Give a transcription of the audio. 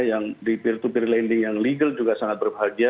yang di peer to peer lending yang legal juga sangat berbahagia